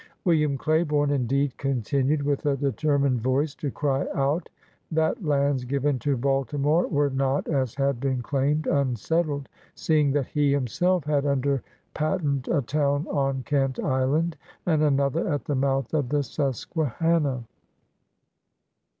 William Claiborne, indeed, continued with a deter mined voice to cry out that lands given to Balti more were not, as had been claimed, unsettled, seeing that he himself had imder patent a town on Kent Island and another at the mouth of the Susquehanna.